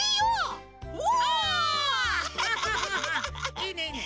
いいねいいね。